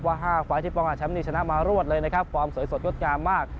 ว่า๕ฟ้ายที่ป้องกันแชมป์นี้ชนะมารวดเลยนะครับฟอร์มสวยสดยศกราบมาก